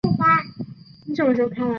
九龙小学推行国际文凭课程。